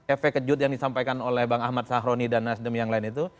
efek kejut yang disampaikan oleh bang ahmad sahroni dan nasdem yang lain itu